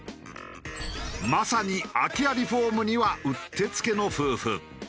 まさに空き家リフォームにはうってつけの夫婦。